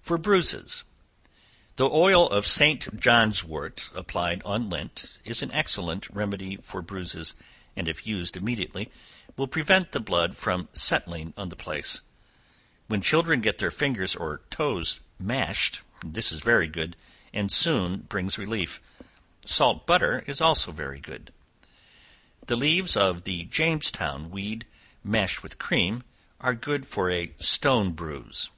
For Bruises. The oil of St. Johnswort applied on lint, is an excellent remedy for bruises, and if used immediately will prevent the blood from settling on the place; when children get their fingers or toes mashed, this is very good, and soon gives relief; salt butter is also very good. The leaves of the Jamestown weed, mashed with cream, are good for a stone bruise.